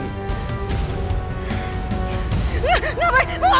nggak mau mau